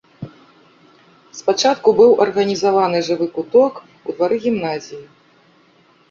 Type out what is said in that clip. Спачатку быў арганізаваны жывы куток ў двары гімназіі.